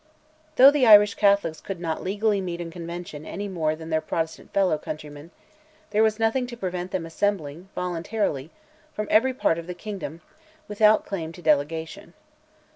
Though the Irish Catholics could not legally meet in convention any more than their Protestant fellow countrymen, there was nothing to prevent them assembling voluntarily, from every part of the kingdom, without claim to delegation.